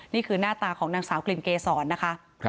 นี่คือหน้าตาของนางสาวกลิ่นเกษรนะคะ